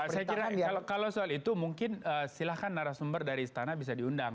saya kira kalau soal itu mungkin silahkan narasumber dari istana bisa diundang